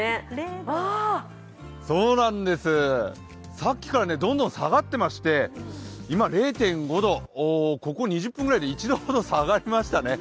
さっきからどんどん下がっていまして今０．５度、ここ１０分ほどで１度ほど下がりましたね。